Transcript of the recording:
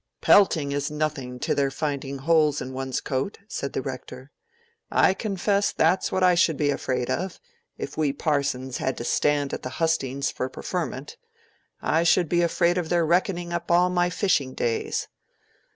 "Pelting is nothing to their finding holes in one's coat," said the Rector. "I confess that's what I should be afraid of, if we parsons had to stand at the hustings for preferment. I should be afraid of their reckoning up all my fishing days.